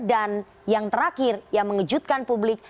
dan yang terakhir yang mengejutkan publik